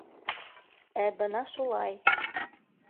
— Ә бына шулай.